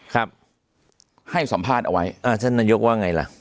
ครับให้สัมภาษณ์เอาไว้อ่าท่านนายกว่าไงล่ะ